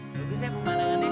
bagus ya pemanangannya